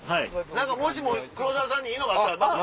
何かもしも黒沢さんにいいのがあったら。